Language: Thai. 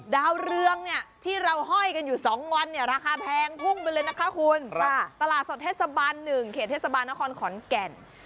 ดาวเรืองเนี่ยที่เราห้อยกันอยู่๒วันเนี่ยราคาแพงพุ่งไปเลยนะคะคุณตลาดสดเทศบาล๑เขตเทศบาลนครขอนแก่น